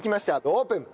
オープン！